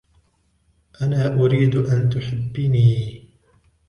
أنا أريد أن تُحِبني.